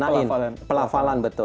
ya na'in pelapalan betul